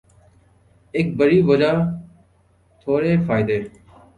ایک بڑِی وجہ تھوڑے فائدے